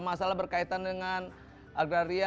masalah berkaitan dengan agraria